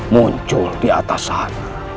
muncul di atas sana